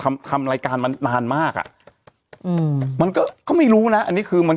ทำทำรายการมานานมากอ่ะอืมมันก็ก็ไม่รู้นะอันนี้คือมัน